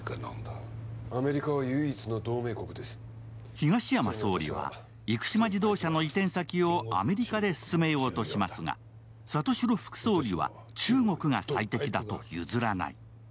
東山総理は生島自動車の移転先をアメリカで進めようとしますが里城副総理は中国が最適だと譲らない。